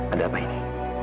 ada apa ini